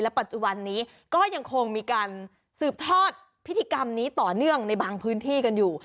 ปัจจุบันนี้ก็ยังคงมีการสืบทอดพิธีกรรมนี้ต่อเนื่องในบางพื้นที่กันอยู่